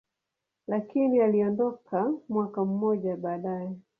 lakini aliondoka mwaka mmoja baadaye.